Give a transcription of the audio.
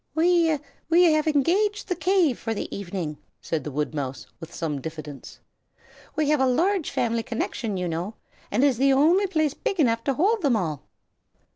"We we have engaged the cave for the evening," said the woodmouse, with some diffidence. "We have a large family connection, you know, and it is the only place big enough to hold them all."